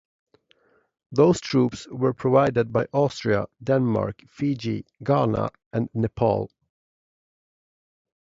Those troops were provided by Austria, Denmark, Fiji, Ghana and Nepal.